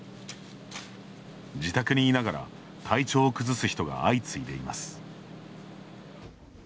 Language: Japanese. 自宅にいながら体調を崩す人が相次いでいます。